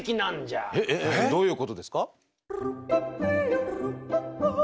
えっえっどういうことですか？